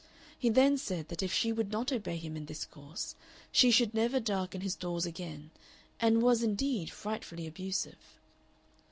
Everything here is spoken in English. He then said that if she would not obey him in this course she should "never darken his doors again," and was, indeed, frightfully abusive.